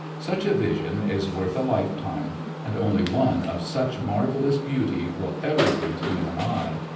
Such a vision is worth a lifetime, and only one of such marvelous beauty will ever greet human eye.